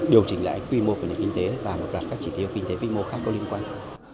điều chỉnh lại quy mô của kinh tế và một đoạn các chỉ thiếu kinh tế quy mô khác có liên quan